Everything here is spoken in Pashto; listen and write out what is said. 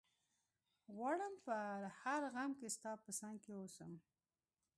غواړم په هر غم کي ستا په څنګ کي ووسم